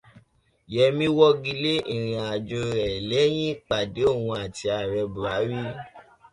Yẹmí wọ́gilé ìrìn-àjò rẹ̀ lẹ́yìn ìpàdé òun àti ààrẹ̀ Bùhárí.